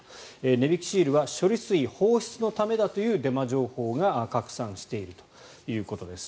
値引きシールは処理水放出のためだというデマ情報が拡散しているということです。